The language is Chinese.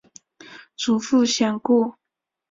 祖父顾显。